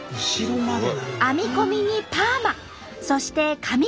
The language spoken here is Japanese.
編み込みにパーマそして髪飾り。